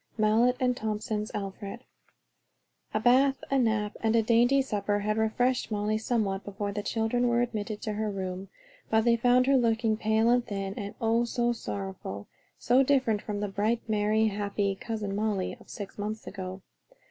MALLET AND THOMSON'S ALFRED. A bath, a nap, and a dainty supper had refreshed Molly somewhat before the children were admitted to her room, but they found her looking pale and thin, and oh, so sorrowful! so different from the bright, merry, happy "Cousin Molly" of six months ago.